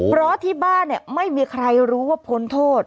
เพราะที่บ้านเนี่ยไม่มีใครรู้ว่าผลโทษ